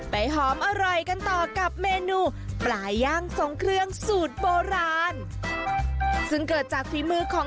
ไปหอมอร่อยกันต่อกับเมนูปลาย่างสงเครื่องสูตรโบราณ